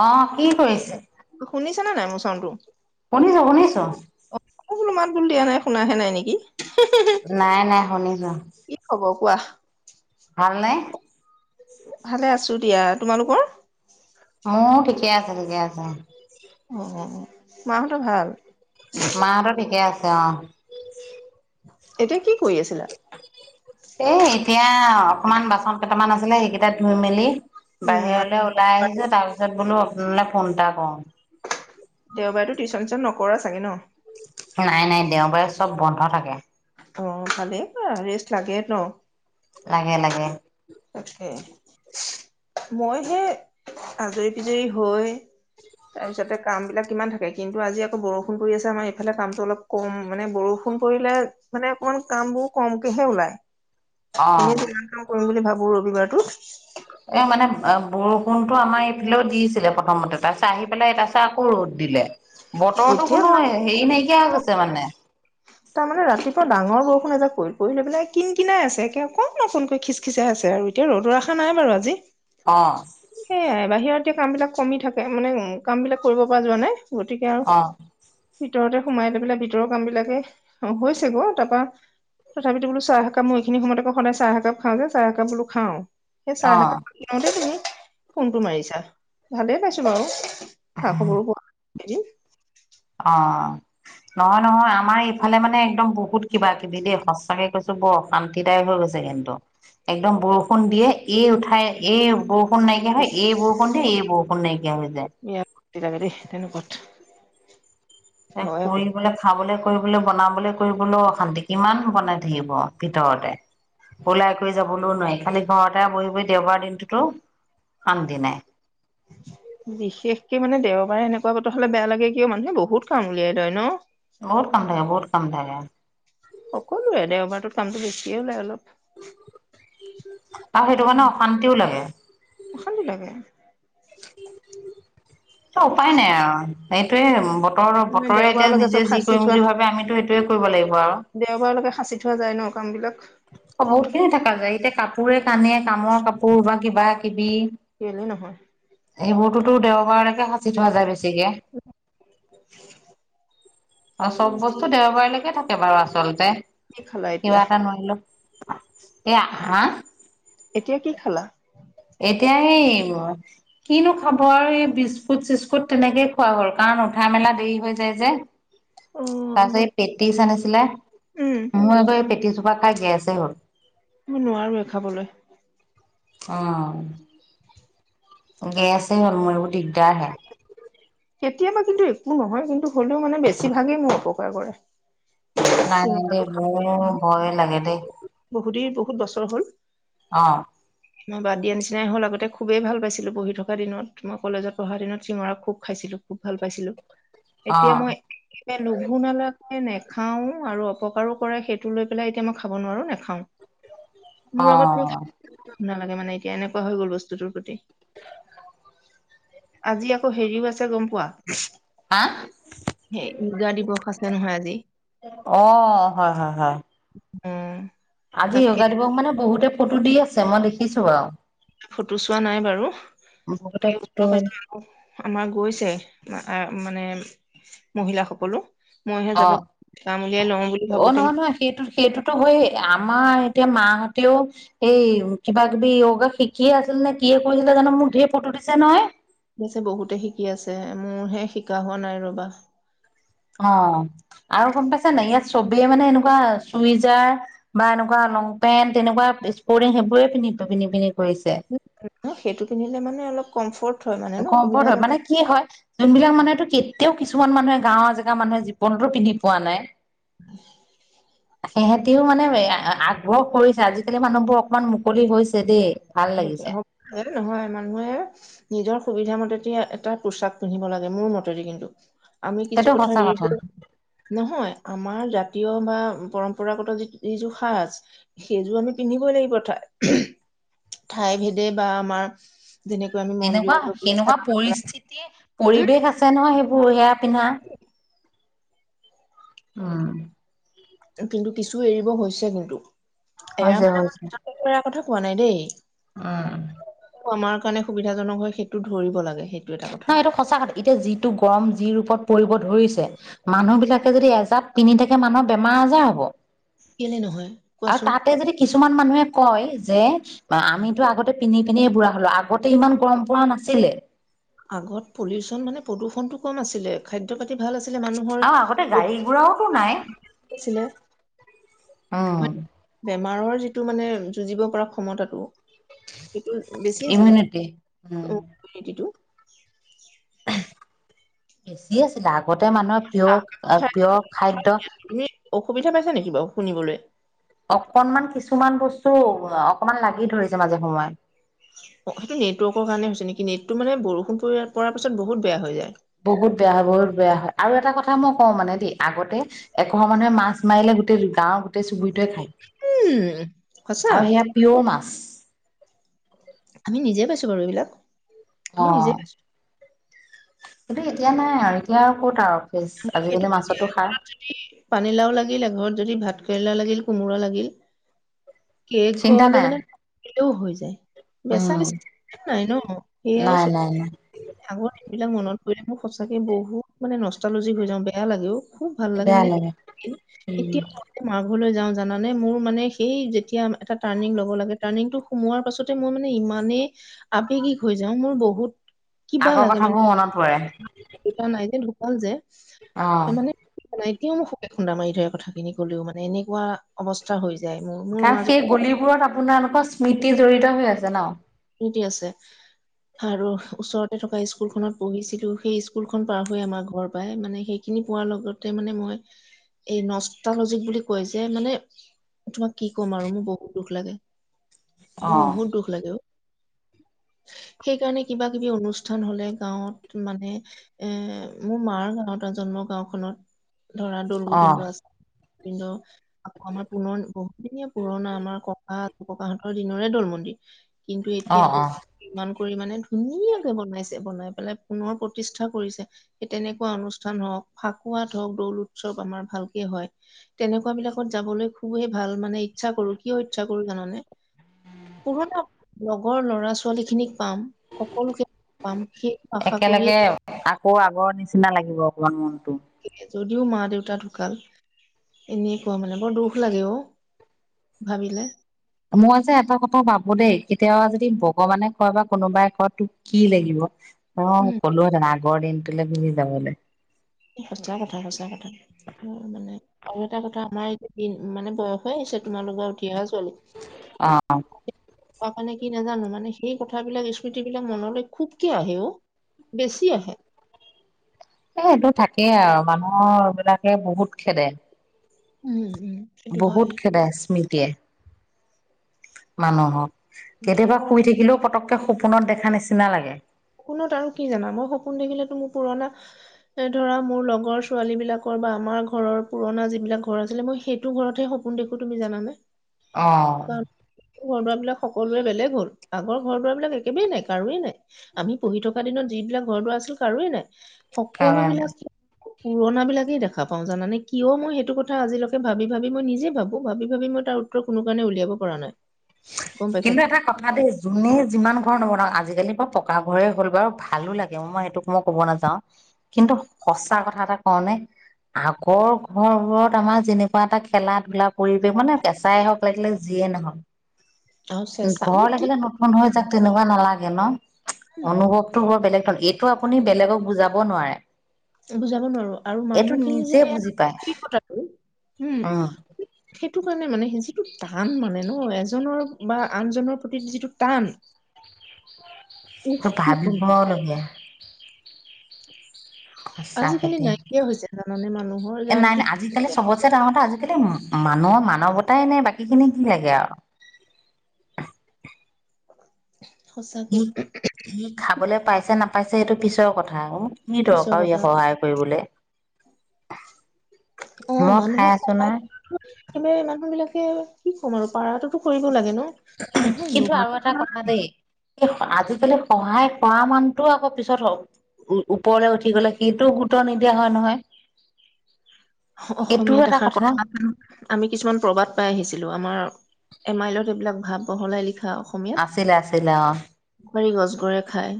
অ' কি কৰিছে। শুনিছা নে নাই মোৰ চাউণ্ডটো। শুনিছো, শুনিছো। কোনো মাত বোল দিয়া নাই শুনাহে নাই নেকি? নাই নাই শুনিছো। ৱাহ। ভালনে? ভালে আছো। দিয়া তোমালোকৰ। মোৰ ঠিকে আছে, ঠিকে আছে। অ', -অ', - অ' মাহঁতৰ ভাল। মাহঁতৰ ঠিকে আছে। অহ। এতিয়া কি কৰি আছিলা? এ'এতিয়া অকণমান বাচন কেইটামান আছে। সেইকেইটা ধুই মেলি উম বাহিৰলে ওলাই আহিছো তাৰ পিছত বোলো নে ফোন এটা কও। দেওবাৰেতো টিউচন চিউচন নকৰা ছাগে ন। নাই নাই দেওবাৰে চব বন্ধ থাকে। অ' ভালেই কৰা ৰেষ্ট লাগে ত। লাগে লাগে। তাকে মই হে আজৰি পিজৰি হৈ তাৰপিছতে কাম বিলাক কিমান থাকে কিন্তু আজি আকৌ বৰষুণ পৰি আছে আমাৰ এইফালে কামটো অলপ কম মানে বৰষুণ পৰিলে মানে অকমান কাম বোৰ কমকেহে ওলায়। এনেই যে অ'। ইমান কাম কৰিম বুলি ভাব বো ৰবিবাৰটোত। এ মানে বৰষুণটো আমাৰ এইফালেও দিছিলে প্ৰথমতে তাৰপিছত আহি পেলাই এ তাৰপিছত আকৌ ৰ'দ দিলে। বতৰতো এতিয়া কোনো হেৰি নাইকিয়া গৈছে মানে। তাৰমানে ৰাতিপুৱা ডাঙৰ বৰষুণ এ যে পৰিল পৰিলে পেলাই কিন কিনাই আছে একে অকণ অকণকৈ খিচ খিচাই আছে আৰু এতিয়া ৰ'দৰ আশা নাই বাৰু আজি। অ। সেয়াই বাহিৰত এতিয়া কাম বিলাক কমি থাকে মানে কাম বিলাক কৰিব পৰা যোৱা নাই। গতিকে আৰু অ'। ভিতৰতে সোমাই লৈ পেলাই ভিতৰৰ কাম বিলাকে হৈছে গ তাৰপৰা তথাপিতো বোলো চাহ একাপ মই এইখিনি সময়ত আকৌ সদায় চাহ একাপ খাওঁ যে চাহ একাপ বোলো খাওঁ। সেই চাহ অ', একাপ তুমি ফোনটো মাৰিছা ভালেই পাইছো বাৰু খা খবৰবোৰ কোৱা। [unintelligible] অ' নহয় নহয় আমাৰ ইফালে মানে একদম বহুত কিবা কিবি দেই সঁচাকে কৈছো বৰ অশান্তিদায়ক হৈ গৈছে কিন্তু একদম বৰষুণ দিয়ে এই উঠাই এই বৰ [unintelligible] নাইকিয় হয় ইচ এই বৰষুণ এই বৰষুণ নাইকিয়া হৈ যায়। বেয়া লাগে দেই তেনেকুৱাত এ হয় আকৌ কৰি বোলে খাবলে। কৰিবলৈ বনাবলৈ কৰিবলৈ অশান্তি কিমান বনাই থাকিব ভিতৰতে। ওলাই কৰি যাব কোনো নোৱাৰি খালি ঘৰতে বহি বহি দেওবাৰ দিনটোতো শান্তি নাই। বিশেষকে মানে দেওবাৰে এনেকোৱা বতৰ হলে বেয়া লাগে কিয় মানুহে বহুত কাম উলিয়াই লয় ন। বহুত কাম থাকে বহুত কাম থাকে। অ। সকলোৱে দেওবাৰটোত কামটো বেছিয়ে হয় অলপ। আৰু সেইটো কাৰণেও অশান্তিও লাগে। অশান্তি লাগে ত উপায় নাই আৰু এইটোয়ে বতৰ মানে বতৰে এতিয়া দেওবাৰলৈকে চব নিজে যি সাঁচি কৰিম থোৱা বুলি ভাবে আমিতো সেইটোয়ে কৰিব লাগিব আৱ। কামবিলাক। বহুতখিনি থাকা যায় এতিয়া কাপ পোৰে। কানে কামৰ কাপোৰ বা কিবা। কীবি গলেও নহয় এইবোৰতো দেওবাৰেলৈকে চিটো মাজা বেছিকে আৰু চব বস্তু দেওবাৰলৈ থাকে বাৰু আচলতে। কি খালা এতিয়া কিবা এটা নোৱাৰিলো এয়া হা! এতিয়া কি খালা? এতিয়া এই কিনো খাব আৰু এই বিস্কুট চিস্কুট তেনেকেই খোৱা হ'ল কাৰণ উঠা মেলা দেৰি হৈ যায় যে অ তাৰ উম পছত পেট্ৰিছান আছে ছিলে। মই এবাৰ পিটিছো। বাাকা গ আছে হ মই নোৱাৰো এ খাবলৈ। উ গে আছে হ'ল মোৰ এইবোৰ দিগদাৰ হে কেতিয়াবা কিন্তু একো নহয় কিন্তু হ'লেও মানে বেছিভাগেই মোক উপকাৰ কৰে। নাই নাই দে চিঙৰাটো খা মোৰ ভয় লাগে দে বহুতেই বহুত বছৰ হ'ল। অ' মই বাদ দিয়া নিচিনাই হ'ল, আগতে খুবেই ভাল পাইছিলোঁ পঢি থকা দিনত মই কলেজত পঢ়াৰ দিনত শিঙৰা খুব খাইছিলো খুব ভাল পাইছিলোঁ। এতিয়া অ', মই এয়া নোভো নালাগ নাখাও আৰু অপকাৰো কৰে সেইটো লৈ পেলাই এতিয়া মই খাব নোৱাৰো নাখাও অ! নালাগে মানে এতিয়া এনেকুৱা হৈ গ'ল বস্তুটোৰ প্ৰতি [inaudible] আজি আকৌ হেৰিও আছে গম পোৱা হা সেই ঈৰ্গা দিৱস আছে নহয় আজি। অ', হয়, হয়, হয়। অ! আজি তাকে যোগা দিৱস মানে বহুতে ফটো দি আছে মই দেখিছো বাৰু। ফটো চোৱা নাই বাৰু বহুতে ফটো ও মেলি। প আমাৰ গৈছে। মানে মহিলাসকলো মইহে যাব অ' কাম উলিয়াই লওঁ বুলি অ' ভাবোতে নহয় নহয় সেইটো সেইটোতো হয় আমাৰ এতিয়া মা আৰু তেওঁ এই কিবা কিবি য়োগা শিকিয়ে আছিল নে কিিয়ে কৰিৈছিলে জানো মোক ধঢেৰ ফটো দিছে নহয়। ঠিক আছে বহুতে শিকি আছে মোৰহে শিকা হোৱা নাই ৰবা অ আৰু গম পাইছ নে ইয়াত চবেই মানে এনেকুৱা চুইজাৰ বা এনেকুৱা লং পেন্ট এনেকুৱা স্পৰ্টিং সেইবোৰে পিন্ধি পিন্ধি কৰিছে [inaudible] সেইটো কিনিলে মানে অলপ কম্ফৰ্ট কমফৰ্ট হয়, মানে কি হয় যোনবিলাক মানুহে তো কেতিয়াও কিছুমান মানুহে, গাঁওৰ জেগাৰ মানুহে জীৱনতো পিন্ধি পোৱা নাই। সেয়েহে এতিয়াও মানে, আ-আগ্ৰহ কৰিছে আজিকালি মানুহবোৰ অকমান মুকলি হৈছে দেই। ভাল হৈছে, লাগিছে হব [unintelligible] নহয়, মানুহে নিজৰ সুবিধা মতেদি এটা পোচাক পিন্ধিব লাগে মোৰ মতেদি কিন্তু। আমি কিছু সেইটো কথা সঁচা এৰিব, নহয় আমাৰ জাতীয় বা পৰম্প পম্পৰাগত যি-যিযোৰ সাজ, সেইযোৰ আমি পিন্ধিবই লাগিব ঠাই [inaudible] ঠাই ভেদে বা আমাৰ যেনেকৈ আমি মন্দিৰত তেনেকুৱা, গৈ পেলাই সেনেকুৱা চাদৰ মেখেলা পৰিস্থিতিয়ে উম পৰিৱেশ আছে নহয়, সেইবোৰ সেয়া পিন্ধা, উম। কিন্তু কিছু এৰিব হৈছে কিন্তু। এয়া হৈছে মানে আমাৰ হৈছে নিজকে কিবা কথা কোৱা নাই দেই। উম। আমাৰ কাৰণে সুবিধাজনক হয়, সেইটো ধৰিব লাগে। সেইটো এটা কথা নহয় এইটো সঁচা কথা, এতিয়া যিটো গৰম যি ৰূপত পৰিব ধৰিছে, মানুহ বিলাকে যদি এজ তাত পিন্ধি থাকে মানুহৰ বেমাৰ আজাৰ হ'ব। কেলে নহয়? আৰু কোৱাচোন। তাতে যদি কিছুমান মানুহে কয়, যে আমিতো আগতে পিন্ধি-পিনন্ধিয়ে বুঢ়া হলো, আগতে ইমান গৰম পৰা নাছিলে। আগত পল্যুলচন মানে প্ৰদূষণতটো কম আছিলে, খাদ্য পাতি ভাল আছিলে মানুহৰ আৰু আগতে গাড়ী প্ৰতি ঘোৰাওতো [inaudible] আছিলে। অঁ। বেমাৰৰ যিটো মানে যুঁজিব পৰা ক্ষমতাতটো সেইটো বেছি আছিল ন, ইমিউনিটি উম অ', ইউমিনিতিটো। বেছি আছিলে, আগত তে মানুহৰ পিয়ৰ আ, পিয়ৰ খাদ্য তুমি অসুবিধা পাইছে নেকি বাৰু, শুনিবলৈ? অকনমান কিছুমান বস্তু, অকনমান লাগি ধৰিছে, মাজে সময়ে। অ', সেইটো নেটৱৰ্কৰ কাৰণে হৈছে নেকি, নেটটো মানে বৰষুণ পৰি-পৰাৰ পিছত বহুত বেয়া হৈ যায়। বহুত বেয়া হয়, বহুত বেয়া হয়, আৰু এটা কথা মই কওঁ মানে দেই, আগতে এঘৰ মানুহে মাছ মাৰিলে গোটেই গাঁৱৰ গোটেই চুবুৰিত টোৱে খায়, উম সঁচা আৰু সেয়া পিয়ৰ মাছ। [unintelligible] আমি নিজে পাইছো বাৰু এইবিলাক। অ আমি নিজে খাইছোঁ। কিন্তু, এতিয়া নাই আৰু এতিয়া আৰু ক'ত আৰু। ফ্ৰেছ সেইটো আজিকালি মাছতো সাৰ যদি পানীলাও লাগিলে ঘৰত যদি ভাত ভাত কেৰেলা লাগিল, কুমুৰা লাগিল। কে চিন্তা ঘৰলৈ নাই মানে [unintelligible] হৈ যায়। বেচা উম বেচি নাই ন'। সেইয়াই নাই নাই [unintelligible] নাই আগৰ এইবিলাক মনত পৰিলে, মোৰ সঁচাকে বহুত মানে নষ্ট নষ্টালজি হৈ যাওঁ, বেয়া লাগে অ'! খুব ভাল লাগে মানে, উম এতিয়াও মা যাওঁ জানানে। মোৰ মানে, সেই যেতিয়া এটা টাৰ্ণিং ল'ব লাগে। টাৰ্ণিংটো সোমোৱাৰ পাছতে মই মানে ইমানে আবেগিক হৈ যাওঁ। মোৰ বহুত কিবা আগৰ লাগে মানে কথাবোৰ মনত পৰে। দেউতা [unintelligible] যে, অ'! নাই। এতিয়াও মোক শুকে খুন্দা মাৰি ধৰে, কথাখিনি ক'লেও মানে, এনেকুৱা অৱস্থা হৈ যায় মোৰ মোৰ কাৰণ, মাজত সেই গলিবোৰত আপোনাৰ এনেকুৱা স্মৃতি জড়িত হৈ আছে ন'। স্মৃতি আছে আৰু ওচৰতে থকা স্কুলখনত পঢ়িছিলো। সেই স্কুলখন পাৰ হৈ আমাৰ ঘৰ পাই মানে, সেইখিনি পোৱাৰ লগতে মানে মই, এই নষ্টালজিক বুলি কয় যে, মানে, তোমাক কি ক'ম আৰু মোৰ বহুত দুখ লাগে! অ বহুত দুখ লাগে অ'! সেইকাৰণে, কিবা কিবি অনুষ্ঠান হ'লে গাঁৱত মানে মোৰ মাৰ গাঁৱত আৰু জন্মৰ গাঁওখনত ধৰা দৌল অ গোবিন্দ আছে। গোবিন্দ আকৌ আমাৰ পুনৰ বহুত দিনীয়া পুৰণা আমাৰ ককা, ককাহঁতৰ দিনৰে দৌল মন্দিৰ। কিন্তু, অ এতিয়া আকৌ অ ইমান কৰি মানে, ধুনীয়াকে বনাইছে। বনাই পেলাই পুনৰ প্ৰতিষ্ঠা কৰিছে। সেই তেনেকুৱা অনুষ্ঠান হওক, ফাকুৱাত হওক দৌল উৎসৱ, আমাৰ ভালকে হয়। তেনেকুৱা বিলাকত যাবলৈ খুবেই ভাল মানে, ইচ্ছা কৰোঁ। কিয় ইচ্ছা কৰোঁ জানানে? পুৰণা লগৰ ল'ৰা ছোৱালী খিনিক পাম সকলোকে পাম সেই আশা কৰিয়ে একেলগে আকৌ আগৰ নিচিনা লাগিব অকণমান মন [unintelligible] যদিও মা দেউতা ঢুকাল। এনে কোৱা মানে বৰ দুখ লাগে অ'! ভাবিলে! মই যে এটা কথা ভাবোঁ দেই! কেতিয়াবা যদি ভগৱানে কয় বা কোনোবাই কয় তোক কি লাগিব? অ'! উম ক'লো হেতেন বৰ দিনটোলে বুলি যাবলৈ। সঁচা কথা, সচাঁ কথা। মানে আৰু এটা কথা আমাৰ দিন মানে বয়স হৈ আহিছে। তোমালোকে উঠি অহা ছোৱালী। আ কোৱা কাৰণে কি নাজানো মানে সেই কথাবিলাক স্মৃতি বিলাক মনলৈ খুবকে আহে অ' বেছি আহে। এ সেইবোৰ থাকেই আৰু মানুহৰ বিলাকে বহুত খেদে। উম' উম সেইটো হয় বহুত খেদায় স্মৃত [unintelligible] মানুহক কেতিয়াবা মই শুই থাকিলেও পতক সপোনত দেখা নিচিনা লাগে। সপোনত আৰু কি জানা মই সপোন দেখিলেতো মোৰ পুৰণা এ ধৰা মোৰ লগৰ ছোৱালী বিলাকৰ বা আমাৰ ঘৰৰ পুৰণা যিবিলাক ঘৰ আছিলে মই সেইটো ঘৰতহে সপোন দেখো তুমি জানে অ ঘৰ দুৱাৰ বিলাক সকলোৰে বেলেগ হ'ল আগৰ ঘৰ দুৱাৰ বিলাক একেবেই নাই কাৰোৱেই নাই আমি পঢ়ি থকা দিনত যিবিলাক ঘৰ দুৱাৰ আছিল কাৰোৱেই নাই সকলো কাৰণে বিলাক পুৰণা বিলাকেই দেখা পাওঁ জানে কিয় মই সেইটো কথা আজিলৈকে ভাবি ভাবি মই নিজে ভাবো ভাবি ভাবি মই তাৰ উত্তৰ কোনো কাৰণে উলিয়াব পৰা নাই গম পাইছা কিন্তু এটা কথা দেই যোনে যিমান ঘৰ বনাওক আজিকালি বাও পকা ঘৰে হ'ল বাৰু ভালো লাগে মই সেইটোক মই ক'ব নাযাওঁ কিন্তু সঁচা কথা এটা কওঁনে আগৰ ঘৰবোৰত আমাৰ যেনেকুৱা এটা খেলা ধূলা পৰিৱেশ মানে কেচাই হওঁক লাগিলে যিয়ে নহওক আৰু চেঁচা মানে ঘৰ কি লাগিলে নতুন হৈ যাক তেনেকুৱা নালাগে ন অনুভৱতো বৰ বেলেগ এইটো আপুনি বেলেগক বুজাব নোৱাৰে বুজাব নোৱাৰো আৰু এইটো মানুহখিনি যে নিজে বুজি পায় আন্তৰিকতাটো উম সেইটো কাৰণে মানে সেই যিটো টান মানে ন অ এজনৰ বা আনজনৰ প্ৰতি যিটো টান উফ টো কি ভাবিব কম লগিয়া সঁচাকে আজিকালি দে, নাইকিয়া হৈছে জানানে মানুহৰ নাই নাই যান্ত্ৰিক আজিকালি চবতছে ডাঙৰ কথা আজিকালি মানুহৰ মানৱতাই নাই বাকীখিনি কি লাগে আৰু। সঁচাকে [unintelligible] খাবলৈ পাইছে নাপ পাইছে সেইটো পিছৰ কথা আৰু। কি পিছৰ দৰকাৰ আৰু কথা ইয়াক সহায় কৰিবলে। [inaudible] অ', মানুহৰ সহায়বাৰে মানুহ বিলাকে কি ক'ম আৰু পাৰাতোতো কৰিব লাগে ন'। কিন্তু আৰু এটা কথা নহয় [unintelligible] দেই আজিকালি সহায় কৰা মানুহটোও আকৌ পিছত ওপৰলে উঠি গ'লে সেইটোও গুৰুত্ব নিদিয়া হয় নহয়। সেইটোও অসমীয়া এটা দেখাৰ কথা, আমি কিছুমান প্ৰবাদ পাই আহিছিললোঁ, আমাৰ এমাইলত এইবিলাক ভাপ বহলাই লিখা। আছিলে-আছিলে অ', বাৰি গছ গৰুৱে খায়।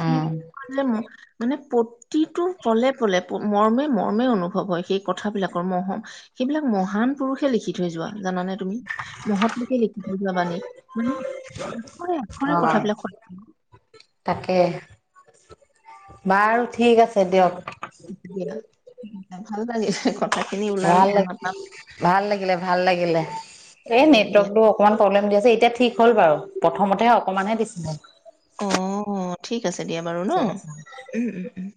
সো উম [unintelligible] মানে প্ৰতিটো পলে-পলে মৰ্মে-মৰ্মে অনুভৱ হয় সেই। কথাবিলাকৰ মহম সেইবিলাক মহান পুৰুষে লিখি থৈ যোৱা জানানে। তুমি মহৎ লোকে লিখি থৈ যোৱাবানি মানে অ আখৰে-আখৰে কথাবিলাক সত্য। তাকে বাৰু ঠিক আছে দিয়ক। [unintelligible] ভাল পালি কথা ভাল ল ভাল লাগিলে ভাল লাগিলে এই তাকে দিয়া নেটৱৰ্কবোৰ অকনমান প্ৰবলেম দিয়া। যে এতিয়া ঠিক হ'ল বাৰু প্ৰথমতেহে অকমানহে দিছিলে। অ-অ ঠিক, ঠিক আছে দিয়া বাৰু ন ঠিক আছে উম-উম-উম।